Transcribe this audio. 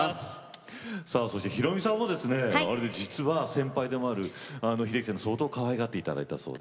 さあそして宏美さんはですね実は先輩でもある秀樹さんに相当かわいがっていただいたそうで。